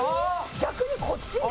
逆にこっちに？